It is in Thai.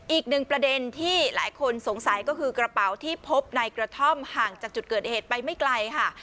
อีกหนึ่งประเด็นที่หลายคนสงสัยก็คือกระเป๋าที่พบในกระท่อมห่างจากจุดเกิดเหตุไปไม่ไกลค่ะ